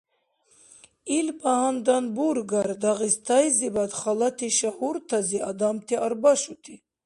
Илбагьандан бургар Дагъистайзибад халати шагьуртази адамти арбашути?